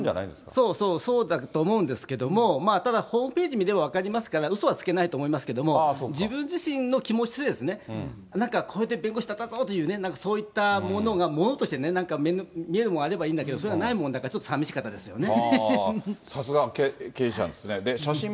そうそうそう、そうだと思うんですけども、ただ、ホームページ見れば分かりますから、うそはつけないと思いますけども、自分自身の気持ちで、なんか、これで弁護士になったぞ！というね、なんかそういったものが物として、なんか、目に見えるものがあればいいんだけども、それはないもんだから、さすが経験者ですね。